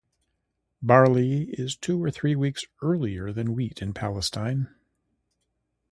Barley is two or three weeks earlier than wheat in Palestine.